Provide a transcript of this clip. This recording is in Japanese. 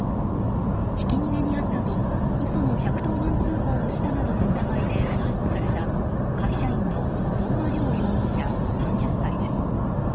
ひき逃げにあったと嘘の１１０番通報をしたなどの疑いで逮捕された会社員の相馬諒容疑者３０歳です。